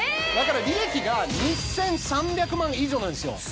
だから利益が２３００万以上なんですよ。